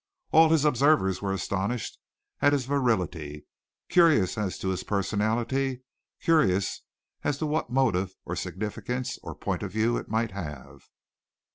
All his observers were astonished at his virility, curious as to his personality, curious as to what motive, or significance, or point of view it might have.